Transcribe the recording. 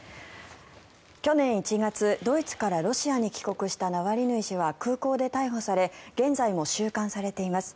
去年１月ドイツからロシアに帰国したナワリヌイ氏は空港で逮捕され現在も収監されています。